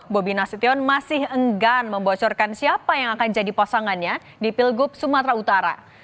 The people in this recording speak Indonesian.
bobi nasution masih enggan membocorkan siapa yang akan jadi pasangannya di pilgub sumatera utara